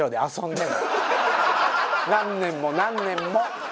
何年も何年も。